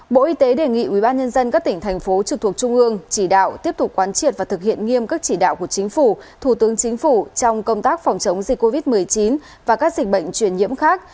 bộ y tế đề nghị ubnd các tỉnh thành phố trực thuộc trung ương chỉ đạo tiếp tục quán triệt và thực hiện nghiêm các chỉ đạo của chính phủ thủ tướng chính phủ trong công tác phòng chống dịch covid một mươi chín và các dịch bệnh truyền nhiễm khác